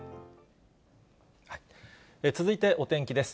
続いてお天気です。